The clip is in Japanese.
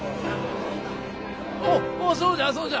おっそうじゃそうじゃ。